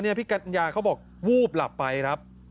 พี่กัญญาเขาบอกวูบหลับไปครับ